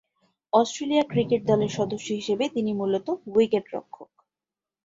Australia cricket দলের সদস্য হিসেবে তিনি মূলতঃ উইকেট-রক্ষক।